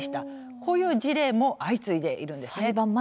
こういう事例も相次いでいるんです。